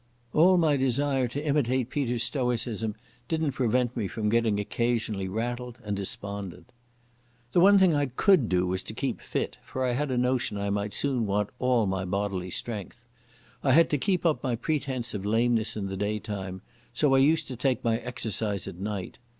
All my desire to imitate Peter's stoicism didn't prevent me from getting occasionally rattled and despondent. The one thing I could do was to keep fit, for I had a notion I might soon want all my bodily strength. I had to keep up my pretence of lameness in the daytime, so I used to take my exercise at night.